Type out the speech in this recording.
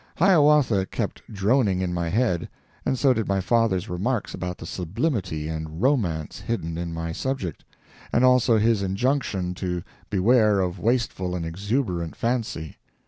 "Hiawatha" kept droning in my head and so did my father's remarks about the sublimity and romance hidden in my subject, and also his injunction to beware of wasteful and exuberant fancy.